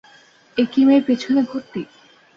একই মেয়ের পিছনে ঘুরতি?